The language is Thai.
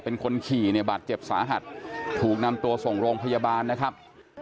เป็นคนขี่เนี่ยบาดเจ็บสาหัสถูกนำตัวส่งโรงพยาบาลนะครับ